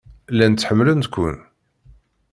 Llant ḥemmlent-ken.